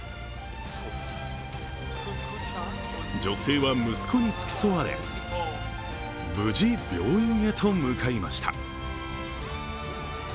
女性は息子に付き添われ、無事、病院へと向かいました。